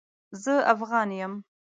زه افغان يم